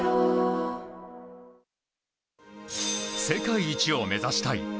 世界一を目指したい。